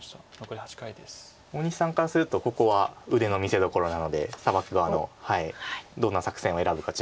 大西さんからするとここは腕の見せどころなのでサバく側のどんな作戦を選ぶか注目です。